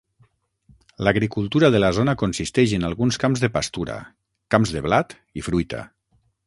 L'agricultura de la zona consisteix en alguns camps de pastura, camps de blat i fruita.